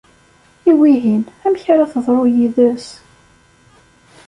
I wihin, amek ara teḍru yid-s?